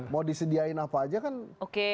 mau disediain apa aja kan oke aja